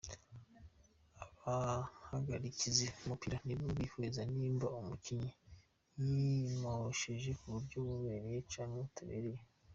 Abahagarikizi b'umupira nibo bihweza nimba umukinyi yimosheje mu buryo bubereye canke butabereye.